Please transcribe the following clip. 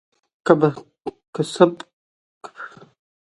که قبر سخت وي، وروسته ټول حالات به سخت وي.